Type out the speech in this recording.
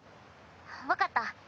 分かった。